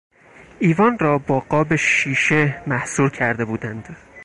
ایوان را با قاب شیشه محصور کرده بودند.